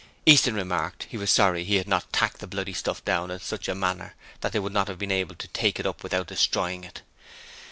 Easton remarked he was sorry he had not tacked the bloody stuff down in such a manner that they would not have been able to take it up without destroying it.